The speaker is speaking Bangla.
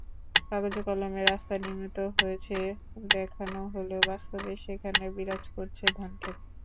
কাগজে-কলমে রাস্তা নির্মিত হয়েছে দেখানো হলেও বাস্তবে সেখানে বিরাজ করছে ধানখেত।